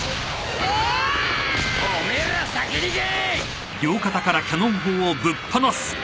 お前ら先に行け！